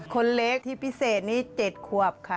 คนเล็กที่พิเศษนี้๗ขวบค่ะ